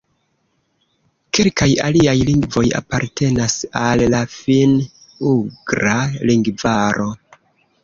Kelkaj aliaj lingvoj apartenas al la Finn-ugra lingvaro.